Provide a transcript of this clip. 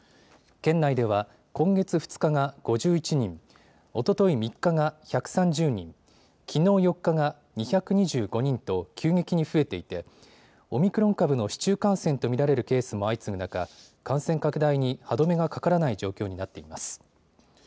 県内では今月２日が５１人、おととい３日が１３０人、きのう４日が２２５人と急激に増えていてオミクロン株の市中感染と見られるケースも相次ぐ中、感染拡大に歯止めがかからない状況になっています。